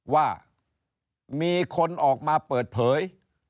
ว่ามีคนออกมาเปิดเผย